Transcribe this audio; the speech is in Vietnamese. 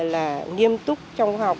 là nghiêm túc trong học